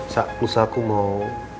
sa aku mau